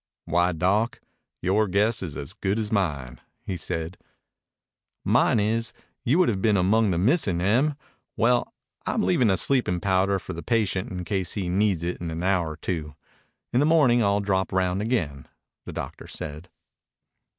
"Why, Doc, yore guess is as good as mine." he said. "Mine is, you'd have been among the missing, Em. Well, I'm leaving a sleeping powder for the patient in case he needs it in an hour or two. In the morning I'll drop round again," the doctor said.